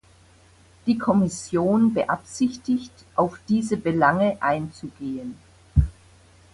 Die Kommission beabsichtigt, auf diese Belange einzugehen.